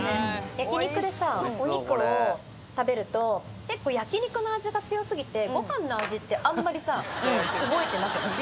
焼肉でさお肉を食べると結構焼肉の味が強過ぎてご飯の味ってあんまりさ覚えてなくない？